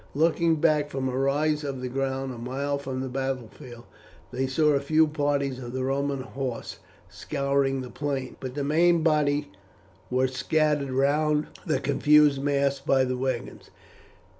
Looking back from a rise of the ground a mile from the battlefield, they saw a few parties of the Roman horse scouring the plain; but the main body were scattered round the confused mass by the wagons.